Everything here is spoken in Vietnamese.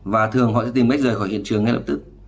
và thường họ sẽ tìm cách rời khỏi hiện trường ngay lập tức